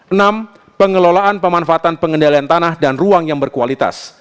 enam pengelolaan pemanfaatan pengendalian tanah dan ruang yang berkualitas